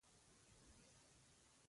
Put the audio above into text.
یخ وهلی و.